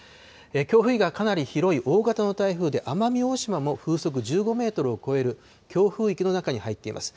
強風域がかなり広い大型の台風で、奄美大島も風速１５メートルを超える強風域の中に入っています。